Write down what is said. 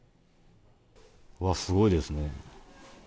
わっ、すごいですね。